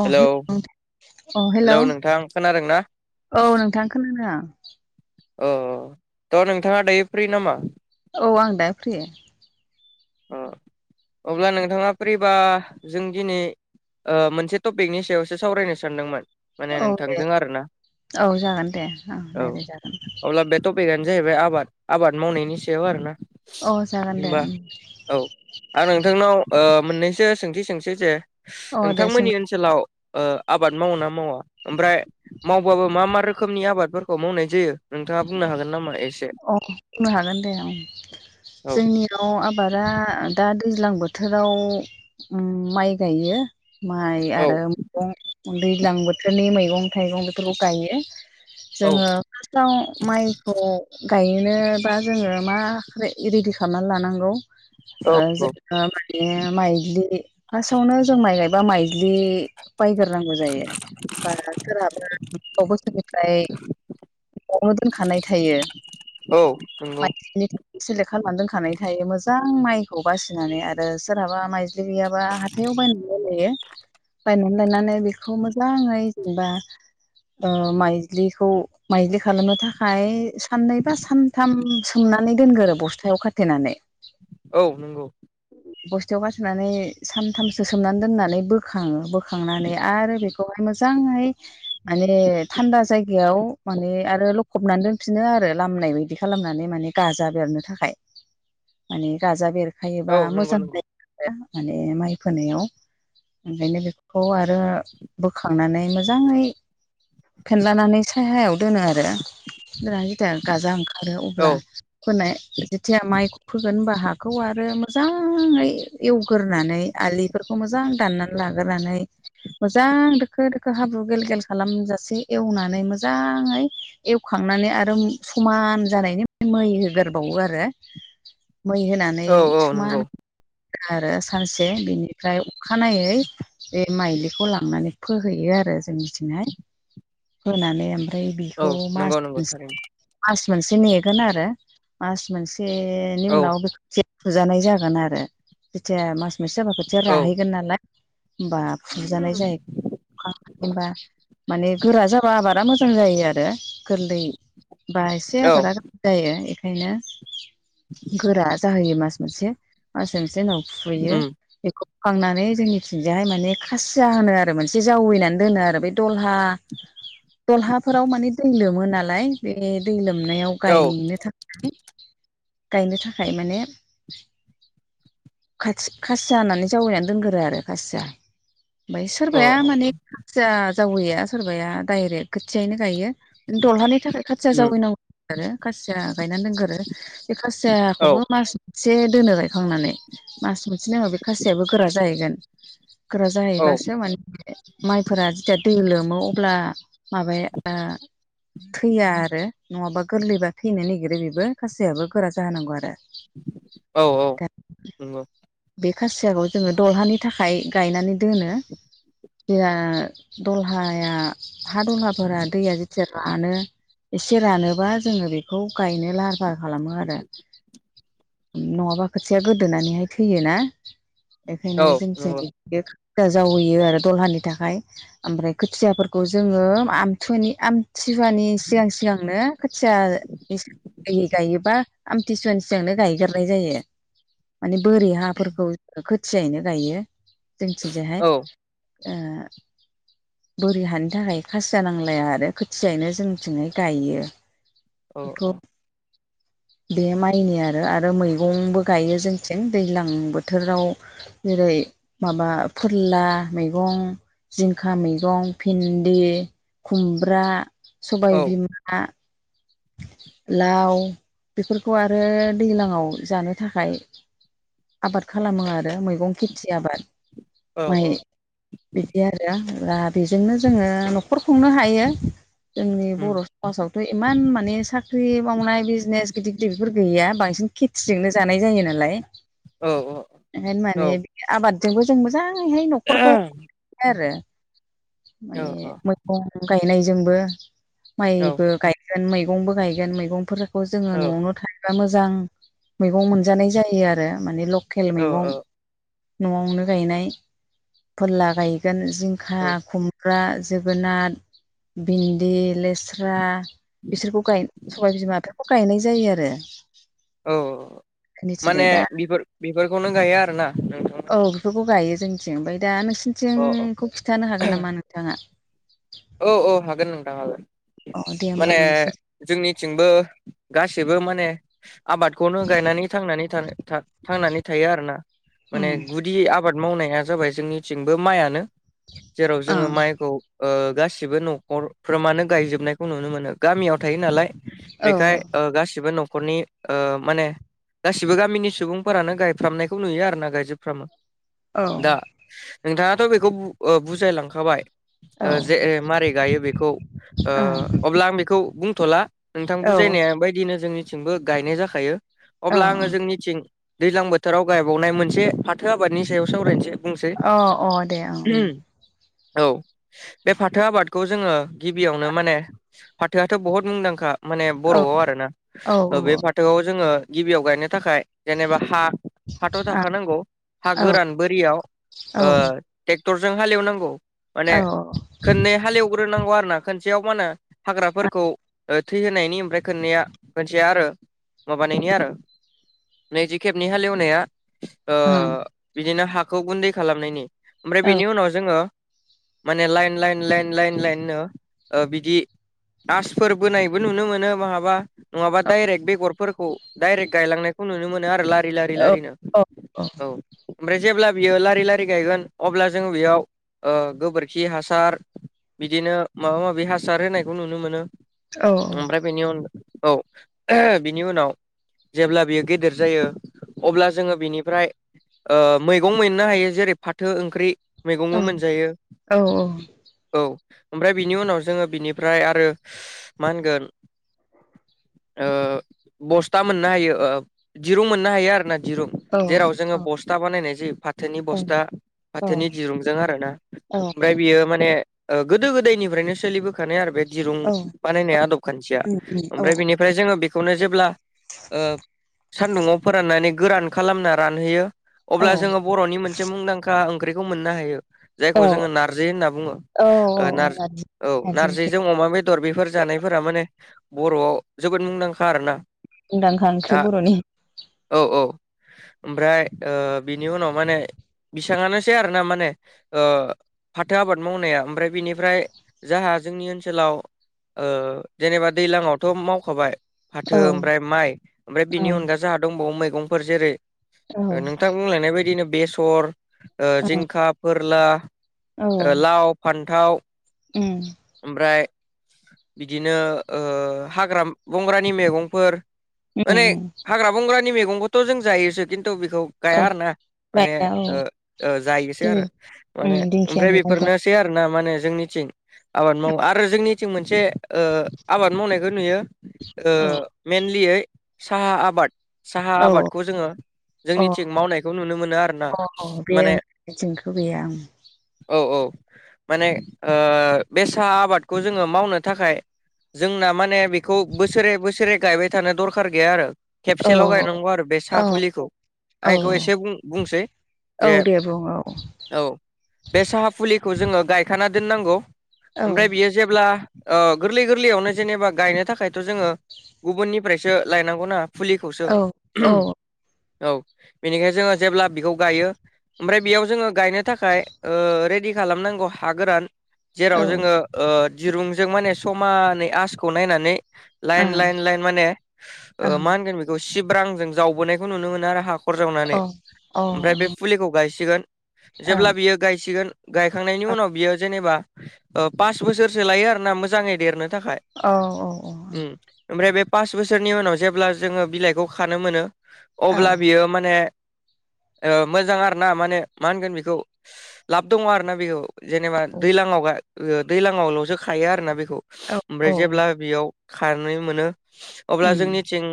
अ hello हेल अ हेल' हेलौ नोंथां खोनादों ना? औ नोंथां खोनादों आं। अ थ' नोंथाङा दायो फ्रि नामा? औ आं दा फ्रि। अ अब्ला नोंथाङा फ्रिबा जों दिनै ओ मोनसे टपिकनि सायावसो सावरायनो सानदोंमोन। माने औ दे नोंथांजों आरोना औ जागोन दे ओं औ रायज्लाय जागोन अब्ला बे टपिकआनो जाहैबाय आबाद आबाद मावनायनि सायाव आरो ना। अ जागोन दे उम। औ आं नोंथांनाव ओ मोननैसो सोंथि सोंसै जे अ दे सों नोंथांमोननि ओन सोलाव ओ आबाद मावो ना मावा ओमफ्राय मावबाबो मा मा रोखोमनि आबादफोरखौ मावनाय जायो? नोंथाङा बुंनो हागोन नामा एसे [unintelligible] अ बुंनो हागोन दे उम औ जोंनि आव आबादा दा दैज्लां बोथोराव माइ गायो। माइ औ आरो मैगं दैज्लां बोथोरनि मैगं थाइगं बेफोरखौ गायो। औ जोङो [unintelligible] माइखौ गायनोबा जोङो मा रेडि खालामना लानांगौ? औ ओ औ जोंओ माने माइज्लि फासआवनो जों माइ गायबा माइलि बायग्रोनांगौ जायो बा सोरहाबो [inaudible] बोसोरनिफ्राय न'आवनो दोनखानाय थायो औ नंगौ माइज्लिनि थाखाय। सिलेक्ट खालामनानै दोनखानाय थायो मोजां माइखौ बासिनानै आरो सोरहाबा माइज्लि गैयाबा हा हाथायाव बायनानै लायो बायनानै लायनानै बेखौ मोजाङै जेनेबा ओ माइज्लिखौ माइज्लि खालामनो था फाय सान्नै बा सान्थाम सोमनानै दोनगोरो बस्थायाव खाथेनानै। औ नंगौ। बस्थायाव हा सोनानै सानथामसो सोमनानै दोन्नानै बोखाङो बो खांनानै आरो बेखौहाय मोजाङै माने थान्दा जायगायाव माने आरो लखबनानै दोन फिनो आरो लामनाय बायदि खालामनानै माने गाजा बेरनो थाखाय माने गाजा बेरखायो। औ बा नंगौ मोजां नंगौ [unintelligible] माने माइ फोनायाव। ओंखायनो बेफोरखौ आरो बोखांनानै मोजाङै फेेनलानानै सायहायाव दोनो आरो [unintelligible] गाजा ओंखा खारो औ अब्ला फोनाय जेथिया माइ फोगोन होनबा हाखौ आरो मो मोजाङै एवग्रोनानै आलिफोरखौ मोजां दाननानै लाग्रोनै मोजां दोखो दोखो हाब्रु गेल गेल खालामजासे एवनानै मोजाङै एवखांनानै आरो समान जानायनि मै होगोरबावयो आरो। मै होनानै औ औ नंगौ समान आरो सानसे बिनिफ्राय अखानायै बे माइलिखौ लांनानै फोहैयो आरो जोंनिथिंहाय फोनानै ओम फाय औ बेखौ नंगौ मास नंगौ [unintelligible] थारैनो मास मोनसे नेगोन आरो मास मोनसेनि औ उनाव [unintelligible] जानाय जागोन आरो जेथिया मास मोनसे जाबा खोथिया औ राहैगोन नाला होमबा फुजानाय जायो [unintelligible] माने गोरा जाबा आबारा मोजां जायो आरो गोर्लै बा एसे औ आबारा जायो एखायनो गोरा जाहोयो मास मोनसे। मास मोनसे उनाव फुयो उम खांनानै जोंनिथिंजायहाय माने खासिया होनो आरो मोनसे जावैनानै दोनो आरो बे दलहा दलहाफोराव माने दै लोमो नालाय बे दै लोमनायाव औ गायनो थाखाय गायनो थाखाय माने खाथि-खासिया होनानै जावैनानै दोनगोरो आरो खासिया। ओमफाय अ सोरबाया अ माने खासिया जावैया सोरबाया डायरेक्ट खोथियायैनो गायो। दलहानि थाखाय खाथिया उम जावैनांगौ आरो खासिया गायनानै दोनगोरो। बे औ खासियाखौबो मास मोनसे दोनो गायखांनानै मास मोनसेनि उनाव बे खासियाबो गोरा जाहैगोन। गोरा औ जाहैबासो मा [unintelligible] माइफोरा जेदिया दै लोमो अब्ला माबाया ओ थैया आरो नङाबा गोर्लैबा थैनो नागिरो बेबो खासियाआबो गोरा जाहोनांगौ आरो। औ औ दा नंगौ। बे खासियाखौ जोङो दलहानि थाखाय गायनानै दोनो। जोहा दलहाया हा दलहाफोरा दैया एसे रानो एसे रानोबा जोङो बेखौ गायनो लाहार फाहार खालामो आरो। नङाबा खोथियाआ गोदोनानैहाय थैयोना एखायनो औ नंगौ जोंनिथिं बे [unintelligible] जावैयो आरो दलहानि थाखाय, आमफ्राय खोथियाफोरखौ जोङो आमथुनि आम थिहुवानि सिगां सिगांनो खोथिया [unintelligible] गायोबा आमथिसुवानि जोंनो गायगोरनाय जायो, माने बोरि हाफोरखौ खोथियायैनो गायो। जोंथिजोंहाय औ ओ बोरि हानि थाखाय खासिया नांलाया आरो खोथियायैनो जोंनिथिंहाय गाइयो। औ एखौ बे माइ एनि आरो मैगंबो गायो जोंथिं दैज्लां बोथोराव जेरै माबा फोरला मैगं जिंखा मैगं भिन्दि खुमब्रा औ सबाय बिमा लाव बेफोरखौ आरो दैलांआव जानो थाखाय आबाद खालामो आरो मैगं खेथि आबाद औ माइ औ बिदि आरो दा बेजोंनो जोङो न'खर खुंनो हायो जोंनि उम बर' बसावथ' इमान मा माने साख्रि मावनाय बिजनेस गिदिर गिदिरफोर गैया बांसिन खेथिजोंनो जानाय जायो नालाय औ औ ओंखायनो औ माने आबादजोंबो जों मोजाङैहाय न' औ [unintelligible] आरो औ माने मो गं गायनायजोंबो औ माइबो गायगोन मैगंबो गायगोन मैगंफोर खौ जोङो औ न'आवनो थायोबा मोजां मैगं मोनजानाय जायो आरो मानि ल' केल औ मैगं न'आवनो गायनाय फोर्ला गायगोन जिंखा, खुम्ब्रा, जोगोनाद, बिन्दि, लेस्रा बिसोरखौ गाय सबाइ बिमाफोरखौ गायनाय जायो आरो। औ औ औ औ माने जोंनिथिंजाय दा बिफोर बिफोरखौनो गायो आरो ना? औ बिफोरखौ गायो जोंनिथिं, ओमफाय दा अ अ नोंसिनिथिंखौ खिथानो हागोन नामा नोंथाङा? औ औ हागोन नोंथां हागोन अ दे होमबा माने नोंसिनि जोंनिथिंबो गासैबो माने आबादखौनो गायनानै थांनानै थानो था थांनानै थायो आर ना माने उम गुदि आबाद मावनाया जाबाय जोंनिथिंबो माइआनो जेराव ओ जोङो माइखौ ओ गासिबो न'खरफ्रा मानो गायजोबनायखौ नुनो मोनो गामियाव थायो नालाय औ बेखाय ओ गासिबो न'खरनि ओ माने गासिबो गामिनि सुबुंफोरानो गायफ्रामनायखौ नुयो आर ना गायजोबफ्रामो औ दा नोंथाङाथ' बेखौ बुजायलांखाबाय ओ ओं औ जे मारै गायो बेखौ ओ अब्ला आं बेखौ बुंथ'ला नोंथां औ बुजायनाय बायदिनो जोंनिथिंबो गायनाय जाखायो अब्ला ओं आङो जोंनिथिं दैज्लां बोथोराव गायबावनाय मोनसे फाथो आबादनि सायाव सावरायनोसै बुंसै अ अ दे ओं औ बे फाथो आबादखौ जोङो गिबियावनो माने फाथोआथ' बुहुद मुंदांखा माने उम बर'आव आरोना औ बे फाथोआव जोङो गिबियाव गायनो थाखाय जेनेबा हा हाथ' औ थाखानांगौ हा गोरान बोरियाव औ ओं औ ओ ट्रेक्टरजों हालेवनांगौ माने उम औ खननै हालेवग्रोनांगौ आरो ना खनसेयाव मा होनो हाग्राफोरखौ थै होनायनि ओमफ्राय खोनैया खनसेया आरो माबानायनि आरो नैथि खेबनि हालेवनाया ओ बिदिनो हाखौ गुन्दै खालामनायनि ओमफ्राय बेनि उनाव जोङो माने लाइन लाइन लाइन लाइन लाइननो बिदि आसफोर बोनायबो नुनो मोनो महाबा नङाबा डायरेक्ट बेगर फोरखौ डाइरेक्ट गायलांनायखौ नुनो मोनो आरो लारि लारि लारिनो औ ओमफ्राय जेब्ला बियो लारि लारि गायगोन अब्ला जोङो बेयाव ओ गोबोरखि खि हासार बिदिनो माबा माबि हासार होनायखौ नुनो मोनो ओमफ्राय बेनि उनग औ बिनि उनाव जेब्ला बियो गेदेर जायो अब्ला जोङो बिनिफ्राय ओ मैगं मोननो हायो जेरै फाथो ओंख्रि मैगंबो मोनजायो। औ औ औ ओमफ्राय बिनि उनाव जोङो बिनिफ्राय आरो मा होनगोन ओ बस्था मोननो हायो दिरुं मोननो हायो आरोना दिरुं जेराव जोङो बस्था बानायनाय जायो फाथोनि बस्था फाथोनि दिरुंजों आरो ना बियो माने गोदो गोदायनिफ्रायनो सोलि [unintelligible] आरो बे दिरुं बानायनाया आदब खान्थिया ओमफ्राय बेनिफ्राय जोङो बेखौनो जेब्ला ओ सान्दुंङाव फोराननानै गोरान खालामना रानहोयो अब्ला जोङो बर'नि मोनसे मुंदांखा ओंख्रिखौ मोननो हायो जे औ औ जोंङो नारजि होनना बुङो औ ओ नारजि नारजि ओंख्रि नारजिजों अमा बे दर बेफोर जानायफोरा माने बर'आव जोबोद मुंदांखा आरो ना मुंदांखा ओंख्रि बर'नि औ औ ओमफ्राय ओ बिनि उनाव माने बिसांयानोसै आरो ना माने ओ फाथो आबाद मावनाया ओमफ्राय बेनिफ्राय जोंहा जोंनि ओनसोल सोलाव ओ जेनेबा दैज्लङावथ' मावखाबाय औ फाथो ओमफ्राय माइ ओमफ्राय औ बिनि अनगा जोंहा दंबावो मैगंफोर जेरै औ नोंथां बुंलायनाय बायदिनो बेसर औ जिंखा फोरला औ ओ लाव फान्थाव उम ओमफ्राय बिदिनो ओ हाग्रा बंग्रानि मैगंफोर माने उम हाग्रा बंग्रानि मैगंखौथ' जों जायोसो खिन्थु बेखौ गाया औ आरो ना माने जायोना ओ औ जायोसो जेरै आरो उम माने दिंखिया ओमफ्राय मैगंफोर बेफोरनो सै आरोना माने जोंनिथिं आबाद मावो आरो जोंनिथिं मोनसे ओ आबाद मावनायखौ नुयो ओ औ मेनलियै साहा आबाद साहा औ आबादखौ जोङो अ जोंनिथिं मावनायखौ नुनो मोनो आरोना माने बिथिंखो गैया ओं औ औ माने ओ बे साहा आबादखौ जोङो मावनो थाखाय जोंना माने बे खौ बोसोरे बोसोरे गायबाय थानो दरखार गैया आरो औ खेबसेल' गायनांगौ आरो बे सा फुलिखौ औ आं एखौ एसे बुं-बुंसै जे [unintelligible] औ बे साहा फुलिखौ जोङो गायखाना दोननांगौ औ ओमफ्राय बियो जेब्ला ओ गोरलै गोरलैयावनो जेनेबा गायनो थाखायथ' जोङो गुबुननिफ्रायसो लायनांगौ ना फुलिखौसो औ औ औ बेनिखाय जोङो जेब्ला बेखौ गायो ओमफ्राय बेयाव जोङो गायनो थाखाय ओ रेडि खालामनांगौ हा गोरान औ जेराव ओं ओं जोङो ओ दिरुंजों माने समानै आसखौ नायनानै लाइन औ लाइन लाइन माने अ ओ मा होनगोन बेखौ सिब्रांजों जावबोनायखौ नुनो मोनो आरो हा खर जावनानै ओं औ ओमफ्राय बे फुलिखौ गायसिगोन औ जेब्ला बियो गायसिगोन गायखांनायनि उनाव बियो जेनेबा ओ पास बोसोरसो लायो आरो ना मोजाङै देरनो थाखाय औ औ औ औ ओम ओमफ्राय बे पास बोसोरनि उनाव जेब्ला जोङो बिलाइखौ खानो मोनो औ अब्ला बियो मा ने ओ मोजां आरोना माने मा होनगोन बेखौ लाब दङ आरोना बेयाव जेनेबा दैलाङाव गा ओ दैलाङावल'सो खायो आरोना बेखौ औ ओमफ्राय जेब्ला बेयाव खानो मोनो अब्ला उम जोंनिथिं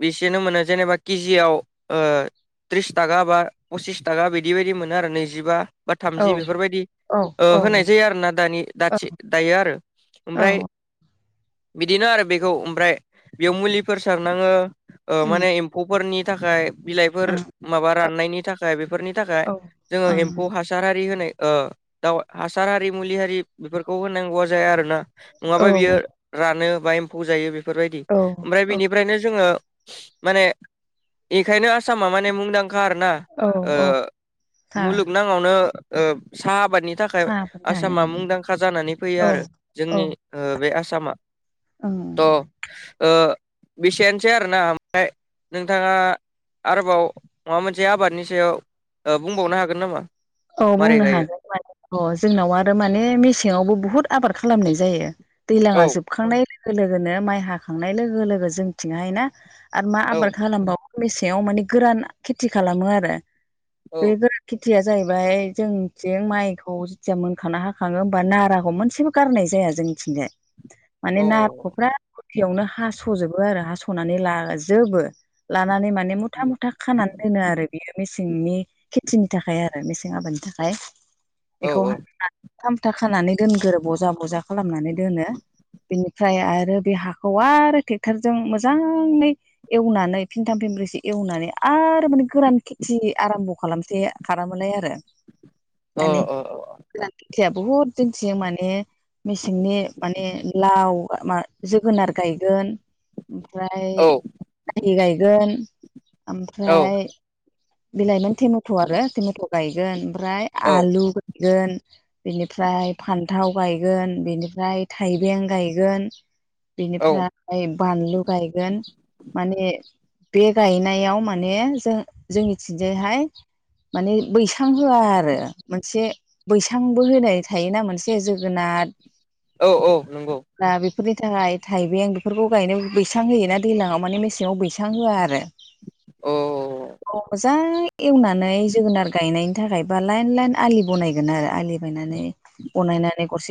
बिसेनो मोनो जेनेबा किजियाव ओ थ्रिस थाखा बा पसिस ताका बिदि बायदि मो नो आरो नैजिबा बा औ थामजि बेफोरबायदि औ ओ होनाय जायो औ आरो ना दानि दाथि दायो आरो औ ओमफ्राय बिदिनो आरो बेखौ ओमफ्राय बेयाव मुलिफोर सारनाङो ओ उम माने एम्फौफोरनि थाखाय ओ बिलाइफोर माबा राननायनि थाखाय बेफोरनि थाखाय जोङो औ एम्फौ हासारारि होनाय ओ दाउ हासार हारि मुलि हारि बेफोरखौ होनांगौआ जाया आरोना ओ नङाबा बियो रानो बा एम्फौ जायो बेफोरबायदि औ ओमफ्राय औ बिनि फ्रायनो जोङो माने एखायनो आसामा माने मुंदांखा आरो ना औ औ सा मुलुग नाङावनो ओ साहा आबादनि थाखाय साहाफोरथाय आसामा मुंदांखा जानानै फैयो ओं आरो औ जोंनि ओ बे आसामा। ओं त' ओ बेसेयानोसै आरोना ओमफ्राय नोंथाङा आरोबाव माबा मोनसे आबादनि सायाव ओ बुंबावनो हागोन नामा? औ मारै बुंनो गायो हागोन माने अ जोंनाव आरो माने मेसेङावबो बुहुत आबाद खालामनाय जायो। दैलाङा औ जोबखांनाय लोगो लोगोनो माइ हाखांनाय लोगो लोगो जोंथिंहाय ना आरो मा औ आबाद खालाम [unintelligible] मेसेंआव माने गोरान खेथि खालामो आरो औ बे गोरान खेथिया जाहैबाय जोंथिं माइखौ जेथिया मोनखाना हाखाङो होमबा नाराखौ मोनसेबो गारनाय जाया जोंनिथिंजाय माने अ [unintelligible] बेयावनो हास'जोबो आरो हास'नानै लाजोबो लानानै माने मुथा मुथा खाना दोनो आरो बियो मेसेंनि खेथिनि थाखाय आरो मेसें आबादनि थाखाय औ बेखौ [unintelligible] खानानै दोनग्रो बजा बजा खालामनानै दोनो बिनिफ्राय आरो बे हाखौ आरो टेक्टारजों मोजाङै एवनानै फिनथाम फिनब्रैसो एवनानै आरो माने गोरान खेथि आराम्भ' खालामसै [unintelligible] आरो माने अ अ गोदान खेथिया बुहुद जोंनिथि माने मेसेंनि माने लाव मा जोगोनार गायगोन। ओमफ्राय अ औ [unintelligible] गायगोन ओमफ्राय बिलाइमोन टेमेट' आरो टेमेट' गायगोन ओमफ्राय औ आलु गायगोन बेनिफ्राय फान्थाव गायगोन बेनिफ्राय थाइबें गायगोन औ बेनिफ्राय बानलु गायगोन माने बे गायनायाव माने जों जोंनिथिंजायहाय माने बैसां होआ आरो मोनसे बैसांबो होनाय थायोना मोनसे जोगोनाद औ औ नोंगौ दा बेफोरनि थाखाय थाइबें बेफोरखौ गायनो बैसां होयोना दैलाङाव माने मेसेङाव बैसां होआ आरो। [inaudible] मोजां एवनानै जोगोनार गायनायनि थाखाय लाइन लाइन आलि बनायगोनआरो आलि बनायनानै गरसे